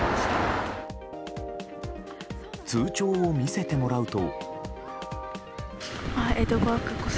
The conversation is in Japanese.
通帳を見せてもらうと。